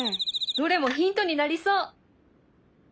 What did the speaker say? どれもヒントになりそう！